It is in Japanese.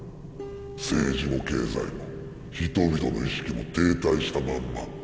政治も経済も人々の意識も停滞したまんま。